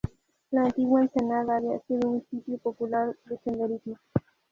La antigua ensenada había sido un sitio popular de senderismo.